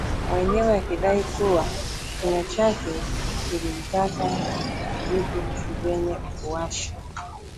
mwenyewe akidai kuwa kinywa chake kilivitaka vitu vyenye kuwasha